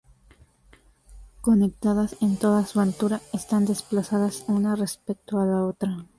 Conectadas en toda su altura, están desplazadas una respecto a la otra.